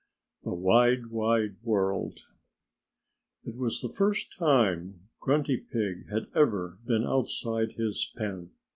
IV THE WIDE, WIDE WORLD It was the first time Grunty Pig had ever been outside his pen.